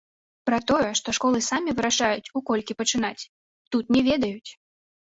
Пра тое, што школы самі вырашаюць, у колькі пачынаць, тут не ведаюць!